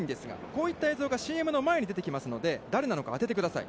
こういった映像がＣＭ前に出てきますので１人の選手が誰なのか当ててください。